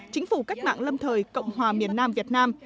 chính phủ cách mạng lâm thời cộng hòa miền nam việt nam